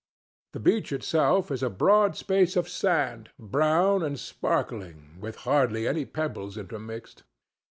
The beach itself is a broad space of sand, brown and sparkling, with hardly any pebbles intermixed.